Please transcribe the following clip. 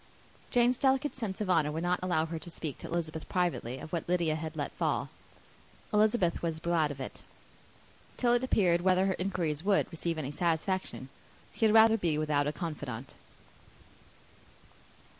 Jane's delicate sense of honour would not allow her to speak to Elizabeth privately of what Lydia had let fall; Elizabeth was glad of it: till it appeared whether her inquiries would receive any satisfaction, she had rather be without a confidante.